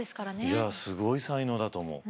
いやすごい才能だと思う。